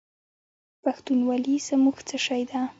پښتونولي زموږ څه شی دی؟